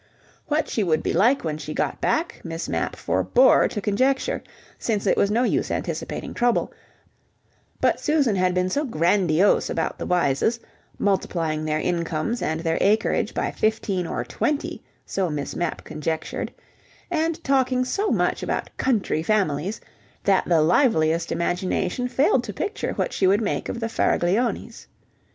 What she would be like when she got back Miss Mapp forbore to conjecture, since it was no use anticipating trouble; but Susan had been so grandiose about the Wyses, multiplying their incomes and their acreage by fifteen or twenty, so Miss Mapp conjectured, and talking so much about country families, that the liveliest imagination failed to picture what she would make of the Faragliones.